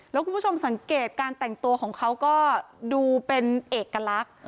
แล้วคุณผู้ชมสังเกตการแต่งตัวของเขาก็ดูเป็นเอกลักษณ์